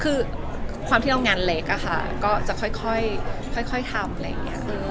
คือความที่เรางานเล็กอะค่ะก็จะค่อยทำอะไรอย่างนี้